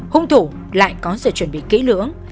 hùng thủ lại có sự chuẩn bị kỹ lưỡng